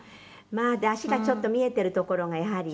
まあ足がちょっと見えてるところがやはり。